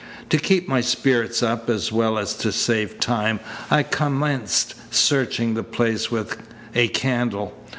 To keep my spirits up, as well as to save time, I commenced searching the place with a candle.